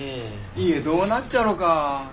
家どうなっちゃろか？